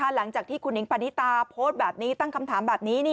หลังจากที่คุณหิงปณิตาโพสต์แบบนี้ตั้งคำถามแบบนี้